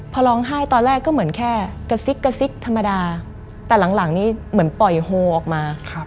พอร้องไห้ตอนแรกก็เหมือนแค่กระซิกกระซิกธรรมดาแต่หลังนี้เหมือนปล่อยโฮออกมา